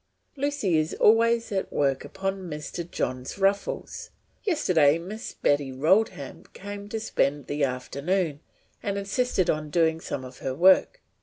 "'Lucy is always at work upon Mr. John's ruffles. Yesterday Miss Betty Roldham came to spend the afternoon and insisted on doing some of her work.